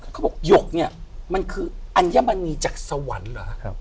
เขาบอกหยกเนี่ยมันคืออัญมณีจากสวรรค์เหรอ